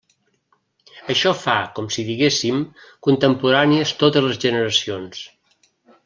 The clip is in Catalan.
Això fa, com si diguéssim, contemporànies totes les generacions.